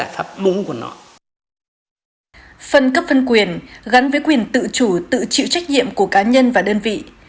phân cấp phân quyền gắn với quyền tự chủ tự chịu trách nhiệm của cá nhân và đơn vị